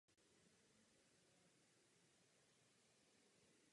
Kvůli silnému zápachu se většinou používal pro vnější osvětlení.